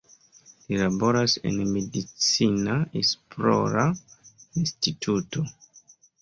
Li laboras en medicina esplora instituto.